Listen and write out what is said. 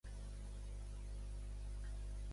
O eleccions, o pacte amb nosaltres.